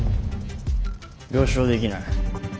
了承できない。